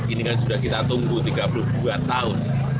ini kan sudah kita tunggu tiga puluh dua tahun